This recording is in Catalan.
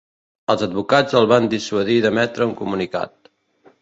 Els advocats els van dissuadir d'emetre un comunicat.